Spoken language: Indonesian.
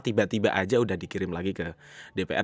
tiba tiba aja udah dikirim lagi ke dpr